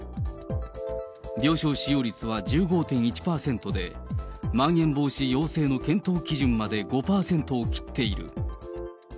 病床使用率は１５．１％で、まん延防止要請の検討基準まで５％を切っている。